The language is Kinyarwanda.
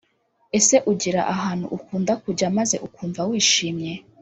Ese ugira ahantu ukunda kujya maze ukumva wishimye?